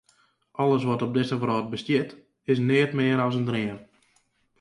Alles wat op dizze wrâld bestiet, is neat mear as in dream.